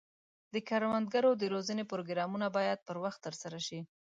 د کروندګرو د روزنې پروګرامونه باید پر وخت ترسره شي.